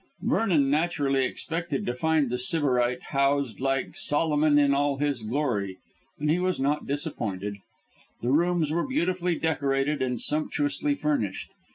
Vernon naturally expected to find the sybarite housed like Solomon in all his glory, and he was not disappointed. The rooms were beautifully decorated and sumptuously furnished.